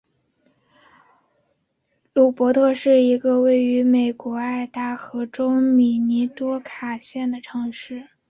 鲁珀特是一个位于美国爱达荷州米尼多卡县的城市。